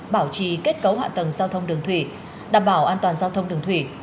bảo trì kết cấu hạ tầng giao thông đường thủy đảm bảo an toàn giao thông đường thủy